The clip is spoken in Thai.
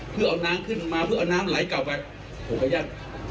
เพื่อเอาน้ำขึ้นมาเพื่อเอาน้ำไหลกลับไปผมขออนุญาต